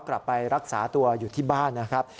กลับไปรักษาตัวอยู่ที่บ้านนะครับ